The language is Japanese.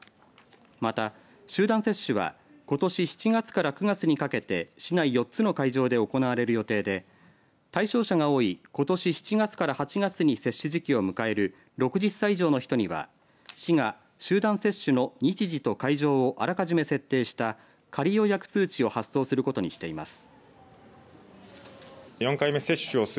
また、集団接種はことし７月から９月にかけて市内４つの会場で行われる予定で対象者が多いことし７月から８月に接種時期を迎える６０歳以上の人には市が集団接種の日時と会場をあらかじめ設定した仮予約通知を発送することにしています。